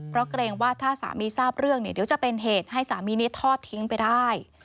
เพราะเกรงว่าถ้าสามีทราบเรื่องเนี่ยเดี๋ยวจะเป็นเหตุให้สามีนี้ทอดทิ้งไปได้